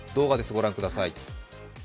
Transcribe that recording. ご覧ください。